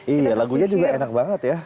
iya lagunya juga enak banget ya